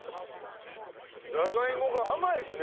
じゃがいもが甘いですね。